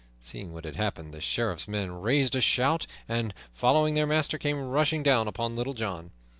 Seeing what had happened, the Sheriff's men raised a shout, and, following their master, came rushing down upon Little John.